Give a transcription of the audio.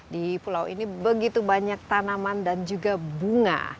di pulau ini begitu banyak tanaman dan juga bunga